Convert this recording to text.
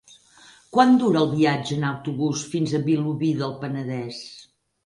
Quant dura el viatge en autobús fins a Vilobí del Penedès?